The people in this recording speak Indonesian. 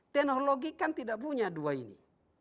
teknologi kan tidak punya dua ini